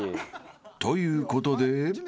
［ということで］